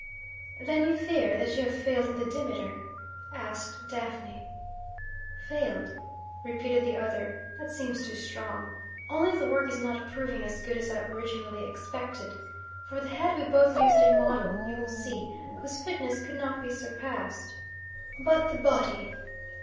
"Then you fear that you have failed in the Demeter?" asked Daphne. "Failed?" repeated the other. "That seems too strong. Only the work is not proving as good as I originally expected. For the head we both used a model you will see whose fitness could not be surpassed. But the body!